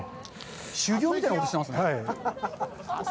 修業みたいなことしてますね。